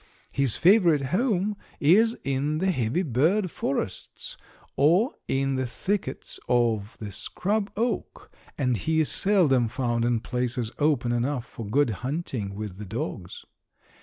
"His favorite home is in the heavy bird forests or in the thickets of the scrub oak and he is seldom found in places open enough for good hunting with the dogs.